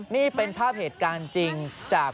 นี่เป็นภาพเหตุการณ์จริงจาก